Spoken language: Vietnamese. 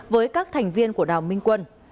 với các thành viên của đào minh quân